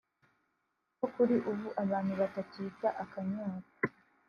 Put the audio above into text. ko kuri ubu abantu batakica akanyota